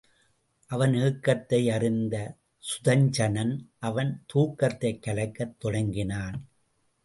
அவன் ஏக்கத்தை அறிந்த சுதஞ்சணன் அவன் தூக்கத்தைக் கலைக்கத் தொடங்கினான்.